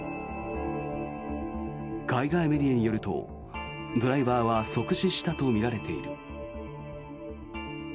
海外メディアによるとドライバーは即死したとみられている。